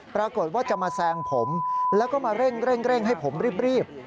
ปรากฏว่าจะมาแซงผมแล้วก็มาเร่งให้ผมรีบ